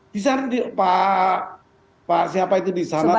bisa pak siapa itu di sana